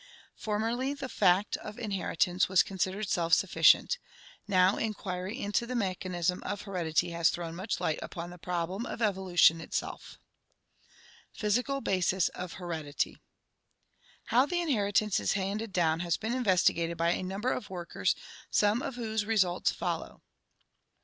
Formerly the fact of inheritance was considered self sufficient, now inquiry into the mechanism of heredity has thrown much light upon the problem of evolution itself. Physical Basis of Heredity How the inheritance is handed down has been investigated by a number of workers, some of whose results follow.